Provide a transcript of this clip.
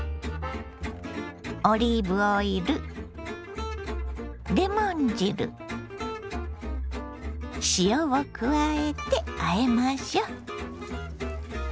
オリーブオイルレモン汁塩を加えてあえましょ。